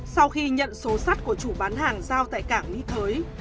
sau khi nhận số sắt của chủ bán hàng giao tại cảng mỹ thới